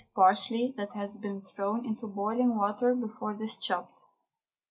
_, parsley that has been thrown into boiling water before it is chopped.